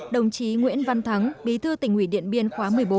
đồng chí nguyễn văn thắng bí thư tỉnh ủy điện biên khóa một mươi bốn